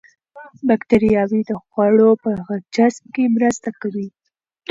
باکتریاوې د خوړو په جذب کې مرسته کوي.